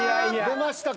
出ましたか。